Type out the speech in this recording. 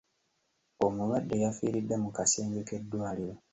Omulwade yafiiridde mu kasenge k'eddwaliro.